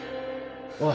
おい！